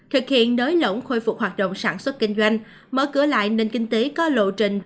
thực hiện đới lỏng khôi phục hoạt động sản xuất kinh doanh mở cửa lại nền kinh tế có lộ trình